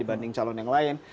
dibandingkan calon yang lain